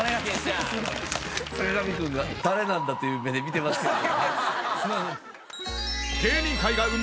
坂上くんが誰なんだ？という目で見てますけど。